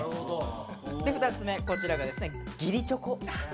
２つ目こちらがですね義理チョコ。